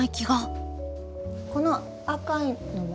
この赤いのは？